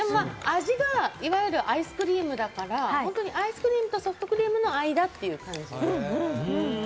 味がアイスクリームだから、アイスクリームとソフトクリームの間って感じ。